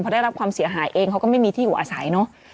พอได้รับความเสียหายเองเขาก็ไม่มีที่อยู่อาศัยเนอะ